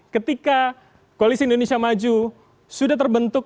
ketika koalisi indonesia maju sudah terbentuk